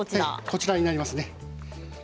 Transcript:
こちらになります。